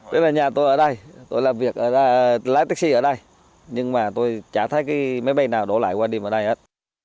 nếu mà nhà tôi ở đây tôi làm việc lái taxi ở đây nhưng mà tôi chả thấy cái máy bay nào đổ lại qua đêm ở đây hết